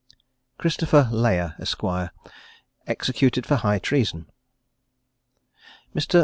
CHRISTOPHER LAYER, ESQ. EXECUTED FOR HIGH TREASON. Mr.